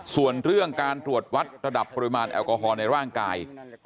ส่วนเรื่องการตรวจวัดระดับปริมาณแอลกอฮอลในร่างกาย